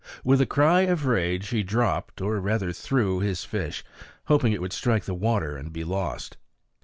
With a cry of rage he dropped, or rather threw, his fish, hoping it would strike the water and be lost.